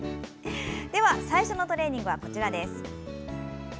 最初のトレーニングはこちらです。